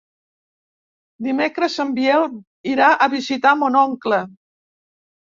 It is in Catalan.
Dimecres en Biel irà a visitar mon oncle.